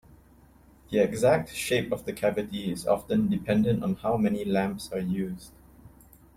The exact shape of the cavity is often dependent on how many lamps are used.